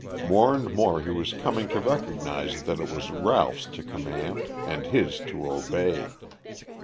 More and more he was coming to recognize that it was Ralph's to command and his to obey.